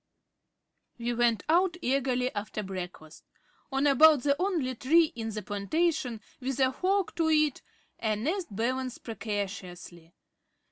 We went out eagerly after breakfast. On about the only tree in the plantation with a fork to it a nest balanced precariously.